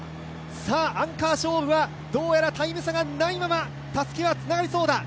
アンカー勝負はどうやらタイム差がないままたすきがつながりそうだ。